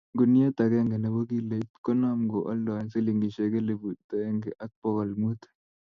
guniet agenge nebo kiloit konom ko oldoen silingisiek elipu aeng ak bokol mut